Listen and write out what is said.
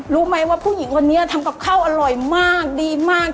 รู้ไหมว่าผู้หญิงคนนี้ทำกับข้าวอร่อยมากดีมาก